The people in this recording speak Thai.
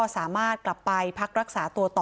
สามารถกลับไปพักรักษาตัวต่อ